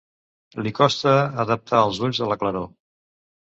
Li costa adaptar els ulls a la claror.